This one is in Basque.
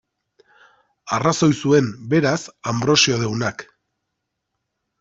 Arrazoi zuen, beraz, Anbrosio deunak.